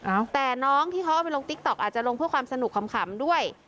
แต่น้องที่เขาเอาไปลงติ๊กต๊อกอาจจะลงเพื่อความสนุกขำด้วย